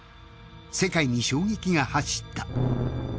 世界に衝撃が走った。